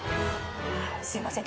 すみません。